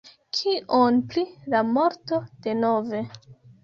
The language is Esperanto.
Kion pri la morto denove?